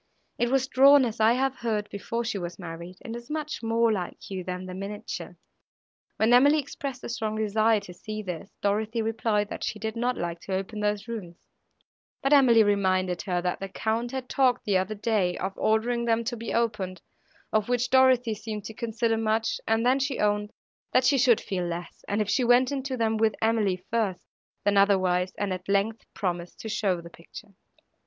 It was drawn, as I have heard, before she was married, and is much more like you than the miniature." When Emily expressed a strong desire to see this, Dorothée replied, that she did not like to open those rooms; but Emily reminded her, that the Count had talked the other day of ordering them to be opened; of which Dorothée seemed to consider much, and then she owned, that she should feel less, if she went into them with Emily first, than otherwise, and at length promised to show the picture.